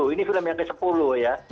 ini film yang ke sepuluh ya